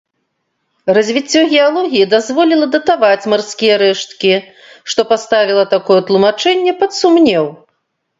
Развіццё геалогіі дазволіла датаваць марскія рэшткі, што паставіла такое тлумачэнне пад сумнеў.